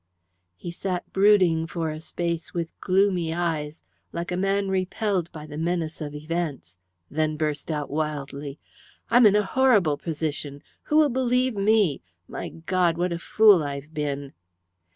He sat brooding for a space with gloomy eyes, like a man repelled by the menace of events, then burst out wildly: "I'm in a horrible position. Who will believe me? My God, what a fool I've been!"